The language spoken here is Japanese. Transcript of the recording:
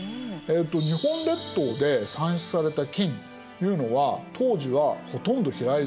日本列島で産出された金というのは当時はほとんど平泉周辺。